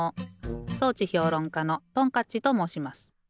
装置ひょうろん家のトンカッチともうします。